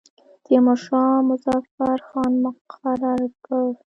تیمورشاه مظفر خان مقرر کړ.